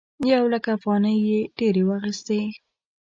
یو لک افغانۍ یې ډېرې واخيستې.